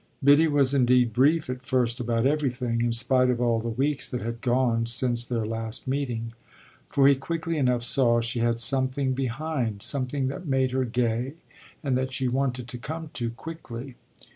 Biddy was indeed brief at first about everything, in spite of all the weeks that had gone since their last meeting; for he quickly enough saw she had something behind something that made her gay and that she wanted to come to quickly.